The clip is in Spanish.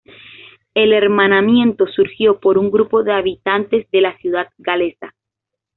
El hermanamiento surgió por un grupo de habitantes de la ciudad galesa.